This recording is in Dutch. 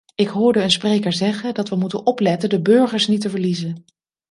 Ik hoorde een spreker zeggen dat we moeten opletten de burgers niet te verliezen.